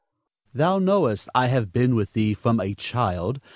_] Thou knowest I have been with thee from a child.